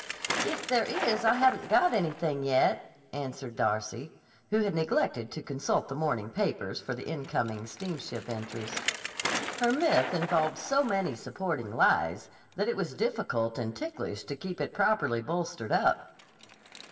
"If there is I haven't got anything yet," answered Darcy, who had neglected to consult the morning papers for the incoming steamship entries. Her myth involved so many supporting lies, that it was difficult and ticklish to keep it properly bolstered up.